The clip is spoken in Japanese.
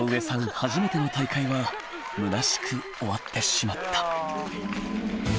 初めての大会はむなしく終わってしまった